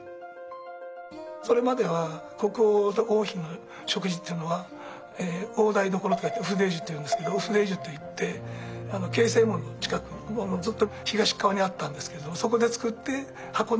それまでは国王と王妃の食事っていうのは大台所と書いてウフデージュっていうんですけどウフデージュっていって継世門の近くずっと東側にあったんですけどもそこで作って運んできてたと。